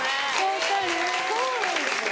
そうなんですね。